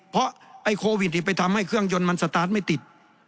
เพราะไอ้โควิดไปทำให้เครื่องยนต์มันสตาร์ทไม่ติด